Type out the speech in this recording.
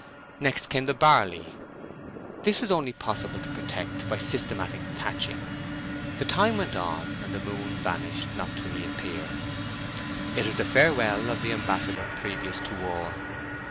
Next came the barley. This it was only possible to protect by systematic thatching. Time went on, and the moon vanished not to reappear. It was the farewell of the ambassador previous to war.